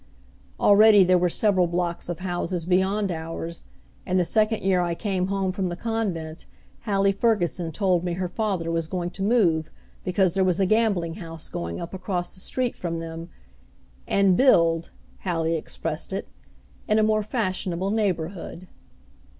Already there were several blocks of houses beyond ours, and the second year I came home from the convent Hallie Ferguson told me her father was going to move because there was a gambling house going up across the street from them, "and build," Hallie expressed it, "in a more fashionable neighborhood."